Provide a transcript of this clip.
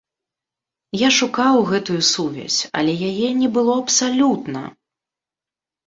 Я шукаў гэтую сувязь, але яе не было абсалютна.